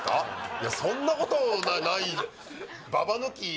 いやそんなことないババ抜き